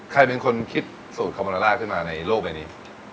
ใครเป็นคนสูตรคอบลาร่าขึ้นมาในโลกใบนี้